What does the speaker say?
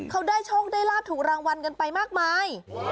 เขาได้โชคได้ลาบถูกรางวัลกันไปมากมาย